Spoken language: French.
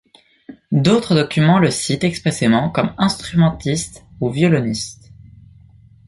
D’autres documents le citent expressément comme instrumentiste ou violoniste.